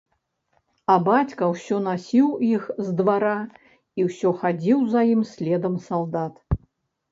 А бацька ўсё насіў іх з двара, і ўсё хадзіў за ім следам салдат.